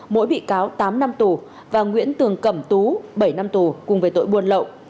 mỗi bị cáo tám năm tù và nguyễn tường cẩm tú bảy năm tù cùng với tội buôn lậu